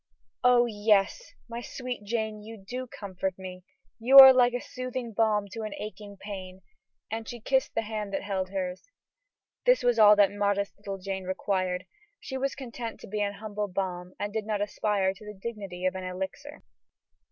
"Oh! yes! my sweet Jane; you do comfort me; you are like a soothing balm to an aching pain," and she kissed the hands that held hers. This was all that modest little Jane required. She was content to be an humble balm and did not aspire to the dignity of an elixir.